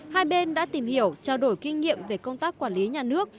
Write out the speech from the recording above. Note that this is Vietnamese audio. hai bên đã tìm hiểu trao đổi kinh nghiệm về công tác quản lý nhà nước